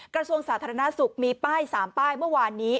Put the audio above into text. กระทรวงสาธารณสุขมีป้าย๓ป้ายเมื่อวานนี้